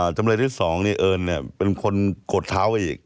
จำเลยที่สองเนี่ยเอิญเนี่ยเป็นคนกดเท้าอีก